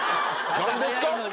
何ですか？